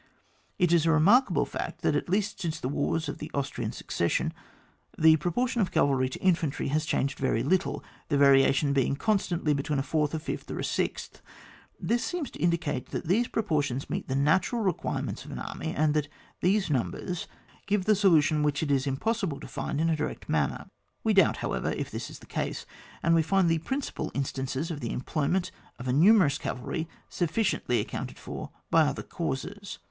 It is a remarkable fact that, at least since the wars of the Austrian succession, the proportion of cavalry to infantry has changed very little, the variation being constantly between a fourth, a fifth or a sixth ; this seems to indicate that those proportions meet the natural re quirements of an army, and that those numbers give the solution which it is impossible to find in a direct manner. We doubt, however, if this is the case, and we find the principal instances of the employment of a numerous cavalry suffi ciently accounted for by other causes.